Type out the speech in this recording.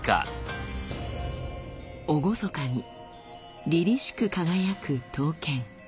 厳かにりりしく輝く刀剣。